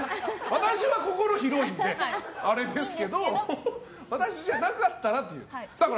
私は心広いんであれですけど私じゃなかったらという。